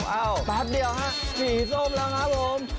แป๊บเดียวฮะสีส้มแล้วครับผม